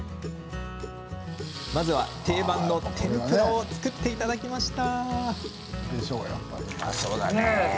まずは、定番の天ぷらを作っていただきました。